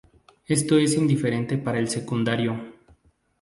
Esto es indiferente para el secundario.